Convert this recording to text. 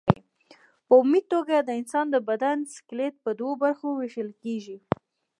په عمومي توګه د انسان د بدن سکلېټ په دوو برخو ویشل کېږي.